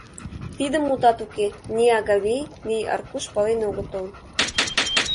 Тидым, мутат уке, ни Агавий, ни Аркуш пален огытыл.